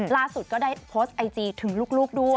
ล่าสุดก็ได้โพสต์ไอจีถึงลูกด้วย